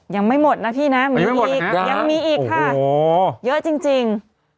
ยังไม่หมดนะพี่นะมีอีกค่ะเยอะจริง